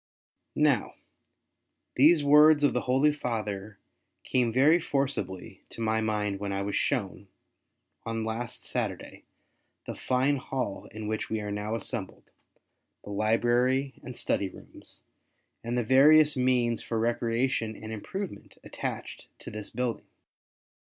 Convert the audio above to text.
Now, these words of the Holy Father came very forcibly to my mind when I was shown, on last Saturday, the fine hall in which we are now assembled — the library and study rooms, and the various means for recreation and improvement attached to this building.